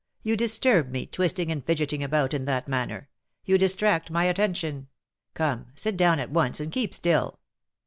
You disturb me, twisting and fidgeting about in that manner, you distract my attention. Come, sit down at once, and keep still."